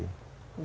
jadi pada intinya